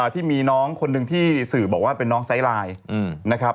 ที่มีน้องคนหนึ่งที่สื่อบอกว่าเป็นน้องไซไลน์นะครับ